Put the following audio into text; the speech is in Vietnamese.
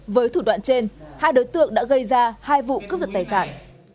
với thủ đoạn trên hai đối tượng đã gây ra hai vụ cướp giật tài sản